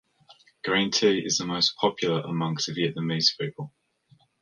Green tea is the most popular amongst Vietnamese people.